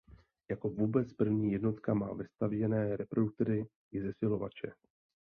Jako vůbec první jednotka má vestavěné reproduktory i zesilovače.